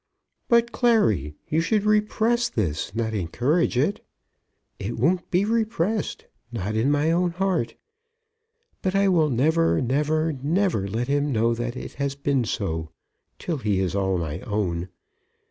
"But, Clary, you should repress this, not encourage it." "It won't be repressed, not in my own heart. But I will never, never, never let him know that it has been so, till he is all my own.